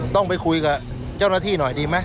ต้องไปคุยกับเจ้าหน้าที่หน่อยดีไหม